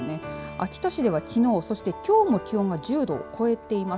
秋田市ではきのうそして、きょうも気温が１０度を超えています。